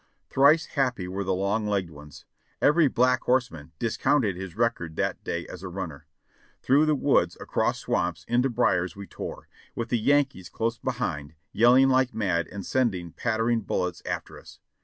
Thrice happy were the long legged ones. Every Black Horse man discounted his record that day as a runner. Through the woods, across swamps, into briers we tore, with the Yankees close behind, yelling like mad and sending pattering bullets after us.